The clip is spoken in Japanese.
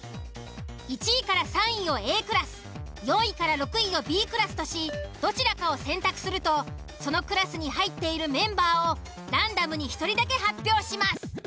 １位３位をＡクラス４位６位をＢクラスとしどちらかを選択するとそのクラスに入っているメンバーをランダムに１人だけ発表します。